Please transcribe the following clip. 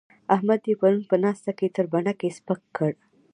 احمد يې پرون په ناسته کې تر بڼکې سپک کړ.